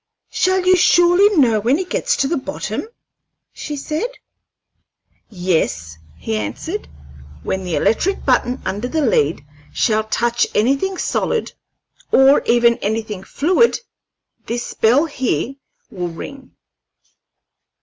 "Shall you surely know when it gets to the bottom?" said she. "Yes," he answered. "When the electric button under the lead shall touch anything solid, or even anything fluid, this bell up here will ring."